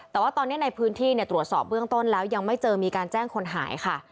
แต่ว่าตอนนี้ในพื้นที่ตรวจสอบเบื้องต้นแล้วยังไม่เจอมีการแจ้งคนหายค่ะ